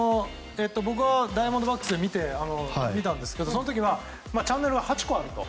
ダイヤモンドバックスで見たんですけどその時はチャンネルは８個あると。